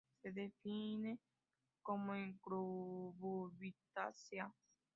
Se define como en Cucurbitaceae.